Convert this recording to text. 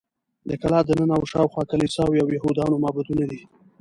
د کلا دننه او شاوخوا کلیساوې او یهودانو معبدونه دي.